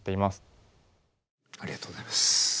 ありがとうございます。